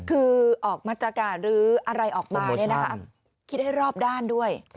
คือออกมาตรการหรืออะไรออกมาคิดให้รอบด้านด้วย